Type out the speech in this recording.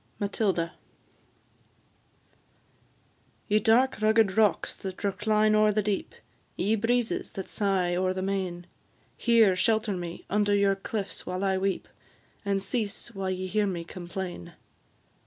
MATILDA. Ye dark rugged rocks, that recline o'er the deep, Ye breezes, that sigh o'er the main, Here shelter me under your cliffs while I weep, And cease while ye hear me complain.